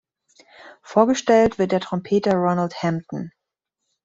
Vorgestellt wird der Trompeter Ronald Hampton.